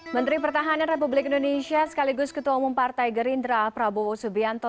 menteri pertahanan republik indonesia sekaligus ketua umum partai gerindra prabowo subianto